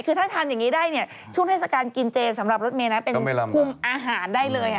คือถ้าทานอย่างนี้ได้เนี่ยช่วงเทศกาลกินเจสำหรับรถเมย์นะเป็นคุมอาหารได้เลย